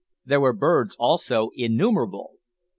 There were birds also, innumerable.